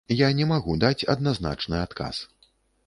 Я не магу даць адназначны адказ.